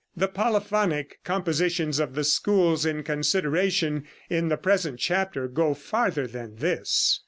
The polyphonic compositions of the schools in consideration in the present chapter go farther than this.